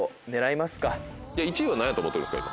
１位は何やと思ってるんですか？